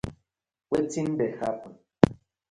Wetin dey happen?